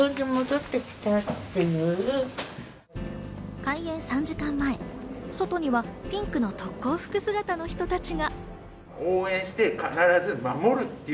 開演３時間前、外にはピンクの特攻服姿の人たちが。